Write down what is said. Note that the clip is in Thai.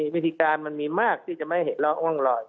วิธีการมันมีมากที่จะไม่เห็นแล้วอ้องรอย